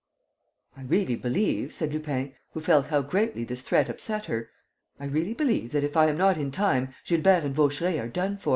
"I really believe," said Lupin, who felt how greatly this threat upset her, "I really believe that, if I am not in time, Gilbert and Vaucheray are done for."